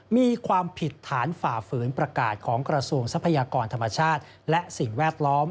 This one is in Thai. มีความผิดฐานฝ่าฝืนประกาศของกระทรวงทรัพยากรธรรมชาติและสิ่งแวดล้อม